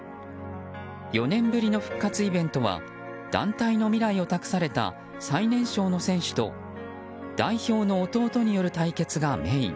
４年ぶりの復活イベントは団体の未来を託された最年少の選手と代表の弟による対決がメイン。